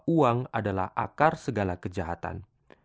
uang adalah akar segala kejahatan